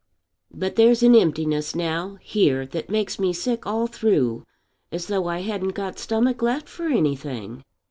But there's an emptiness now here that makes me sick all through, as though I hadn't got stomach left for anything."